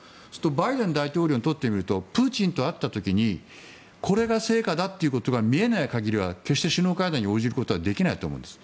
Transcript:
バイデン大統領にとってみるとプーチン大統領と会った時にこれが成果だということが見えない限りは決して首脳会談に応じることはできないと思うんです。